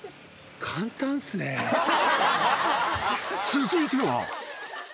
［続いては］